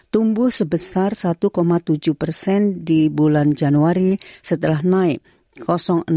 tumbuh sebesar satu tujuh di bulan januari setelah naik